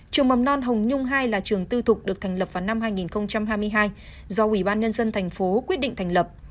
trường mầm non hồng nhung hai là trường tư thục được thành lập vào năm hai nghìn hai mươi hai do ủy ban nhân dân thành phố quyết định thành lập